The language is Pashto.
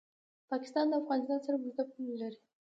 پاکستان د افغانستان سره اوږده پوله لري.